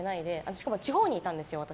しかも地方にいたんですよ、私。